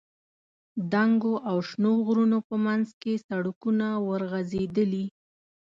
دنګو او شنو غرونو په منځ کې سړکونه ورغځېدلي.